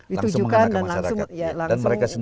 ditujukan dan langsung